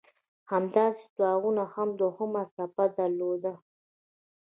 همداسې طاعون هم دوهمه څپه درلوده.